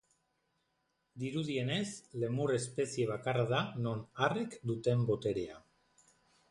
Dirudienez lemur espezie bakarra da non arrek duten boterea.